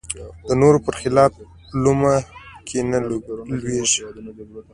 د نورو بر خلاف لومه کې نه لویېږي